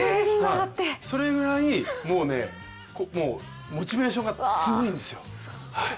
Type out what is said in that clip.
それぐらい、モチベーションがすごいんですよ。